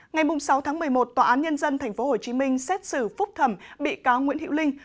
ngày sáu tháng một mươi một tòa án nhân dân tp hcm xét xử phúc thẩm bị cáo nguyễn hữu linh